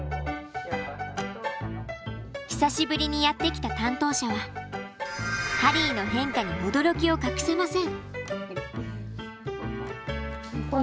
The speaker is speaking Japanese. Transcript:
久しぶりにやって来た担当者はハリーの変化に驚きを隠せません。